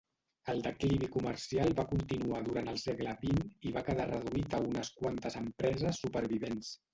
El declivi comercial va continuar durant el segle XX i va quedar reduït a unes quantes empreses supervivents.